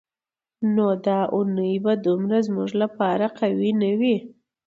نو دا اونۍ به دومره زموږ لپاره قوي نه وي.